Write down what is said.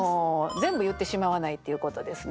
全部言ってしまわないっていうことですね。